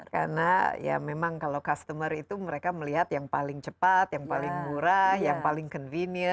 karena ya memang kalau customer itu mereka melihat yang paling cepat yang paling murah yang paling convenient